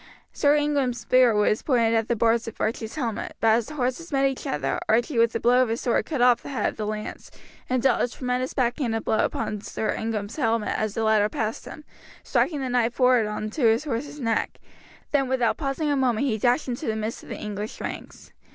Sir Ingram's spear was pointed at the bars of Archie's helmet, but as the horses met each other Archie with a blow of his sword cut off the head of the lance and dealt a tremendous backhanded blow upon Sir Ingram's helmet as the latter passed him, striking the knight forward on to his horse's neck; then without pausing a moment he dashed into the midst of the English ranks.